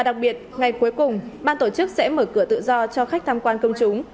đặc biệt ngày cuối cùng ban tổ chức sẽ mở cửa tự do cho khách tham quan công chúng